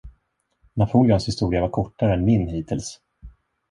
Napoleons historia var kortare än min hittills.